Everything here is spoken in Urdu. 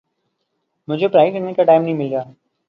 مجھے پڑھائی کرنے کا ٹائم نہیں مل رہا